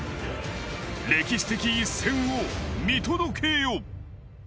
歴史的一戦を見届けよ。